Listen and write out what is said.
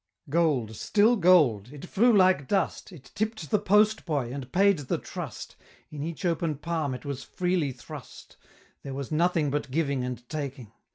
Gold, still gold it flew like dust! It tipp'd the post boy, and paid the trust; In each open palm it was freely thrust; There was nothing but giving and taking!